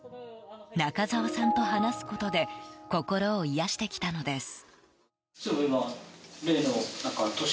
中沢さんと話すことで心を癒やしてきたのです。